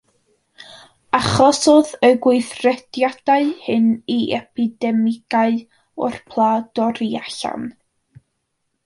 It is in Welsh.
Achosodd y gweithrediadau hyn i epidemigau o'r pla dorri allan.